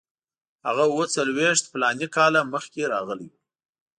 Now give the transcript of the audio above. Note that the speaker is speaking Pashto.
هغه اوه څلوېښت فلاني کاله مخکې راغلی وو.